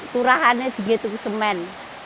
turahannya begitu semen